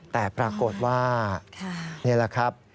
แต่ปรากฏว่านี่แหละครับ